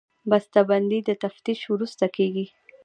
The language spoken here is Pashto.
بسته بندي د تفتیش وروسته کېږي.